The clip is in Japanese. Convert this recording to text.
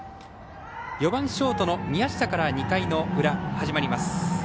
４番、ショートの宮下から２回の裏、始まります。